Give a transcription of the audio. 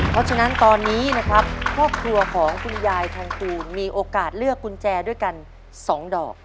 เพราะฉะนั้นตอนนี้นะครับครอบครัวของคุณยายทองตูนมีโอกาสเลือกกุญแจด้วยกัน๒ดอก